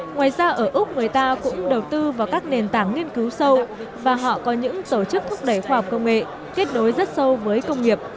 ngoài ra ở úc người ta cũng đầu tư vào các nền tảng nghiên cứu sâu và họ có những tổ chức thúc đẩy khoa học công nghệ kết nối rất sâu với công nghiệp